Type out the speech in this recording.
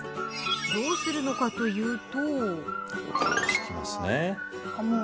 どうするのかというと。